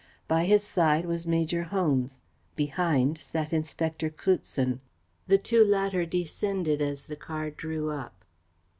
By his side was Major Holmes. Behind sat Inspector Cloutson. The two latter descended as the car drew up.